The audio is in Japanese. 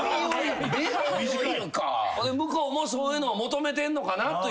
向こうもそういうのを求めてんのかなという。